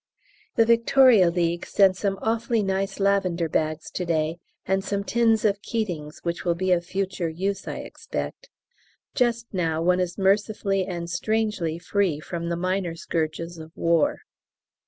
The Victoria League sent some awfully nice lavender bags to day, and some tins of Keating's, which will be of future use, I expect. Just now, one is mercifully and strangely free from the Minor Scourges of War.